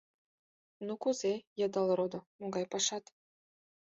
— Ну, кузе, Йыдал родо, могай пашат?